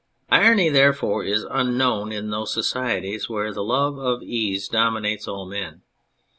Irony, therefore, is unknown in those societies where the love of ease dominates all men.